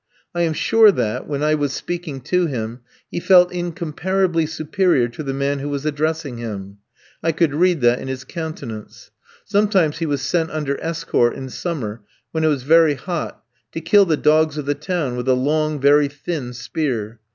I am sure that, when I was speaking to him, he felt incomparably superior to the man who was addressing him. I could read that in his countenance. Sometimes he was sent under escort, in summer, when it was very hot, to kill the dogs of the town with a long, very thin spear.